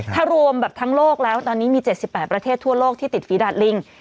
ถ้ารวมแบบทั้งโลกแล้วตอนนี้มี๗๘ประเทศทั่วโลกที่ติดฝีดาดลิง